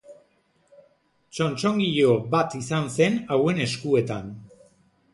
Txotxongilo bat izan zen hauen eskuetan.